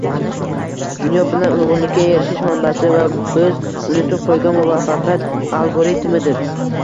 dunyo bilan uyg‘unlikka erishish manbasi va biz unutib qo‘ygan muvaffaqiyat algoritmidir.